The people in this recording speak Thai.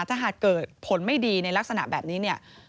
ถ้าหากเกิดผลไม่ดีในลักษณะแบบนี้เนี่ย